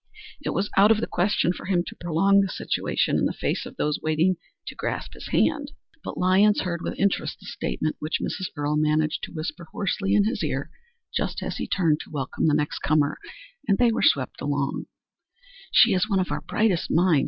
It was out of the question for him to prolong the situation in the face of those waiting to grasp his hand, but Lyons heard with interest the statement which Mrs. Earle managed to whisper hoarsely in his ear just as he turned to welcome the next comer, and they were swept along: "She is one of our brightest minds.